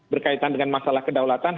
berkaitan dengan masalah kedaulatan